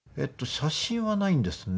写真はないんですね。